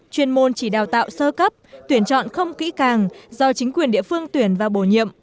chuyên môn chỉ đào tạo sơ cấp tuyển chọn không kỹ càng do chính quyền địa phương tuyển và bổ nhiệm